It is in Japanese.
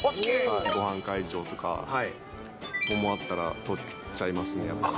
ごはん会場とか、桃あったらとっちゃいますね、やっぱり。